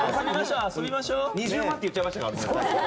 ２０万って言っちゃいましたからね。